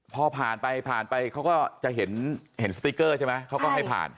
พอผ่านไปผ่านไปเขาก็จะเห็นสติ๊กเกอร์ใช่ไหมเขาก็ให้ผ่าน